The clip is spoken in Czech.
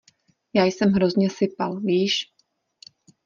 Já jsem hrozně sypal, víš?